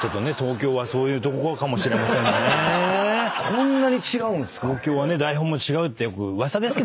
こんなに違うんすか？